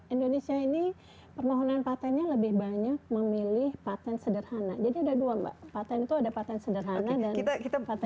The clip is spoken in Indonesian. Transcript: patent itu ada patent sederhana dan patent biasa